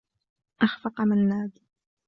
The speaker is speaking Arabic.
أخفق منّاد.